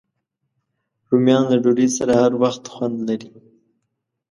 رومیان له ډوډۍ سره هر وخت خوند لري